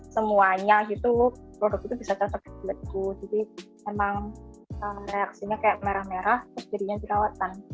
cepat deh hakku ada akhirnya